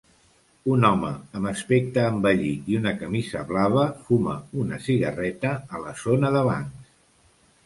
Un home amb aspecte envellit i una camisa blava fuma una cigarreta a la zona de bancs.